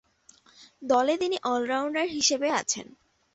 দলে তিনি অল-রাউন্ডার হিসেবে আছেন।